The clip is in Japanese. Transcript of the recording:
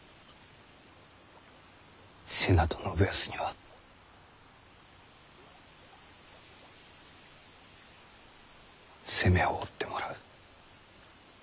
瀬名と信康には責めを負ってもらう。